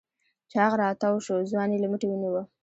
چاغ راتاوشو ځوان يې له مټې ونيو.